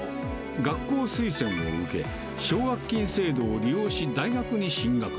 学校推薦を受け、奨学金制度を利用し大学に進学。